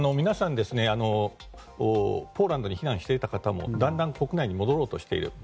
皆さん、ポーランドに避難していた方もだんだん国内に戻ろうとしている。